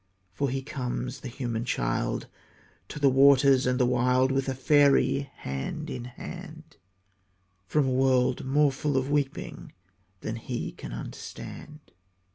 _For he comes, the human child, To the waters and the wild With a faery, hand in hand, From a world more full of weeping than he can understand.